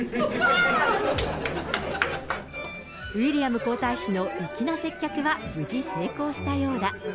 ウィリアム皇太子の粋な接客は無事成功したようだ。